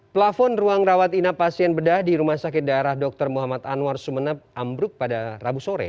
plafon ruang rawat inap pasien bedah di rumah sakit daerah dr muhammad anwar sumeneb ambruk pada rabu sore